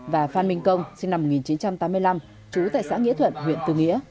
và phan minh công sinh năm một nghìn chín trăm tám mươi năm trú tại xã nghĩa thuận huyện tư nghĩa